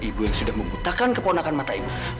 ibu yang sudah membutakan keponakan mata ibu